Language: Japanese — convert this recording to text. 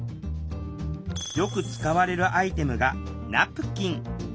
よく使われるアイテムがナプキン。